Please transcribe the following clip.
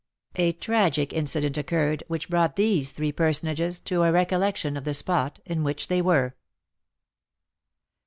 A tragic incident occurred, which brought these three personages to a recollection of the spot in which they were.